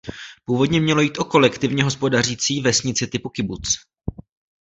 Původně mělo jít o kolektivně hospodařící vesnici typu kibuc.